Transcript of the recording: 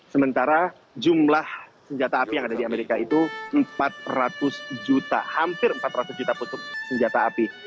sementara jumlah senjata api yang ada di amerika itu empat ratus juta hampir empat ratus juta untuk senjata api